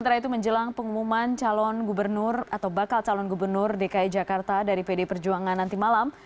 sementara itu menjelang pengumuman calon gubernur atau bakal calon gubernur dki jakarta dari pd perjuangan nanti malam